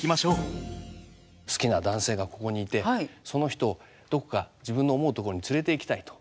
好きな男性がここにいてその人をどこか自分の思うとこに連れていきたいと。